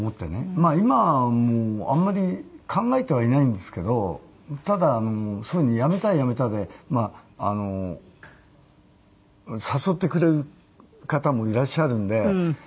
まあ今はもうあんまり考えてはいないんですけどただそういうふうに辞めたら辞めたで誘ってくれる方もいらっしゃるんで。